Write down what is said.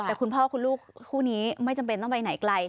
แต่คุณพ่อคุณลูกคู่นี้ไม่จำเป็นต้องไปไหนไกล